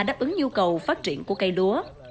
đáp ứng nhu cầu phát triển của cây lúa